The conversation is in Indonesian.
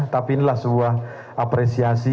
tapi ini sebuah apresiasi